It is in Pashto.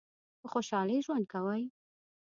په خوشحالی ژوند کوی؟